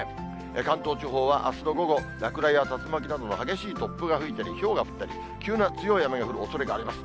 関東地方はあすの午後、落雷や竜巻などの激しい突風が吹いたり、ひょうが降ったり、急な強い雨が降るおそれがあります。